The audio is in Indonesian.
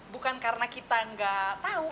bukan karena kita nggak tahu